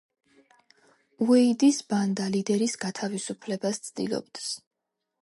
უეიდის ბანდა ლიდერის გათავისუფლებას ცდილობს.